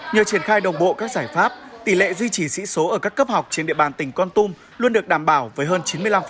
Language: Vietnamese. nhờ triển khai đồng bộ các giải pháp tỷ lệ duy trì sĩ số ở các cấp học trên địa bàn tỉnh con tum luôn được đảm bảo với hơn chín mươi năm